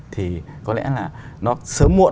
thì có lẽ là nó sớm muộn